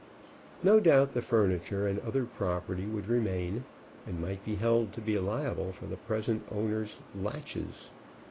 No doubt the furniture and other property would remain, and might be held to be liable for the present owner's laches.